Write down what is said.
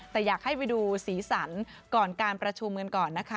แต่อยากให้ไปดูสีสันก่อนการประชุมกันก่อนนะคะ